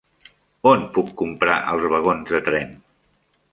On puc comprar els vagons de tren?